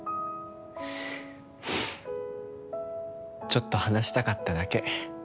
ちょっと話したかっただけ。